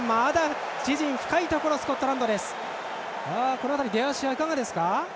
この辺り、出足はいかがですか。